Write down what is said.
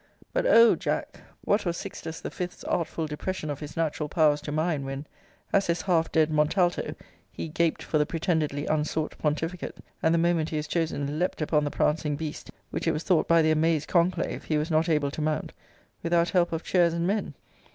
But oh! Jack, what was Sixtus the Vth.'s artful depression of his natural powers to mine, when, as this half dead Montalto, he gaped for the pretendedly unsought pontificate, and the moment he was chosen leapt upon the prancing beast, which it was thought by the amazed conclave he was not able to mount, without help of chairs and men?